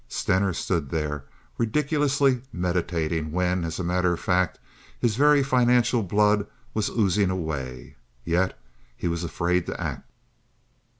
Stener stood there ridiculously meditating when, as a matter of fact, his very financial blood was oozing away. Yet he was afraid to act.